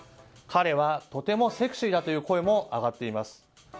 彼はとてもセクシーだという声も上がっています。